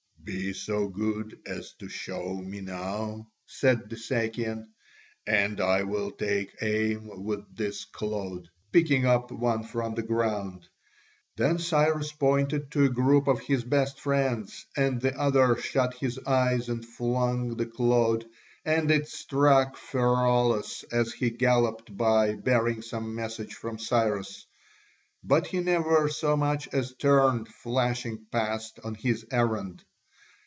"Be so good as to show me now," said the Sakian, "and I will take aim with this clod," picking up one from the ground. Then Cyrus pointed to a group of his best friends, and the other shut his eyes and flung the clod, and it struck Pheraulas as he galloped by, bearing some message from Cyrus. But he never so much as turned, flashing past on his errand.